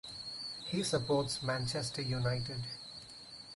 He supports Manchester United.